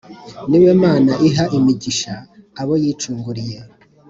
ni we mana iha imigisha abo yicunguriye,